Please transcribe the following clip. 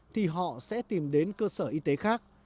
thì họ sẽ tìm đến cơ sở y tế khác